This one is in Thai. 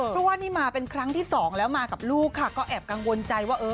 เพราะว่านี่มาเป็นครั้งที่สองแล้วมากับลูกค่ะก็แอบกังวลใจว่าเออ